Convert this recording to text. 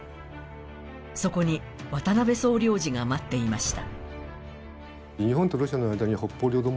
そこに渡邉総領事が待っていました。